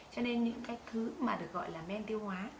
cho nên những cái thứ mà được gọi là men tiêu hóa